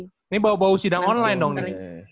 ini bau bau sidang online dong ini